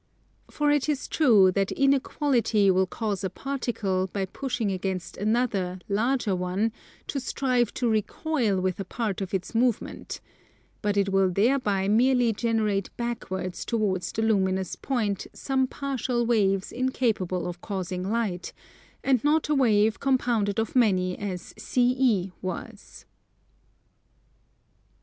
For it is true that inequality will cause a particle by pushing against another larger one to strive to recoil with a part of its movement; but it will thereby merely generate backwards towards the luminous point some partial waves incapable of causing light, and not a wave compounded of many as CE was.